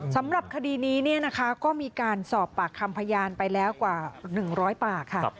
สำหรับคดีนี้ก็มีการสอบปากคำพยานไปแล้วกว่า๑๐๐ปากค่ะ